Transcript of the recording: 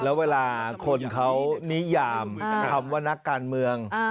แล้วเวลาคนเขานิยามคำว่านักการเมือง